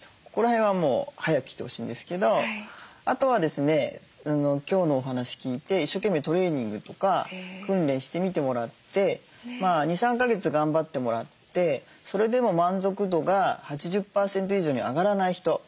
ここら辺はもう早く来てほしいんですけどあとはですね今日のお話聞いて一生懸命トレーニングとか訓練してみてもらって２３か月頑張ってもらってそれでも満足度が８０％以上に上がらない人。